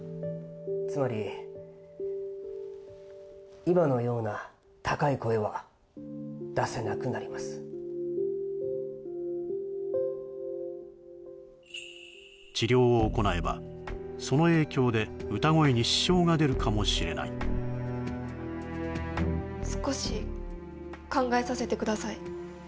つまり今のような高い声は出せなくなります治療を行えばその影響で歌声に支障が出るかもしれない少し考えさせてください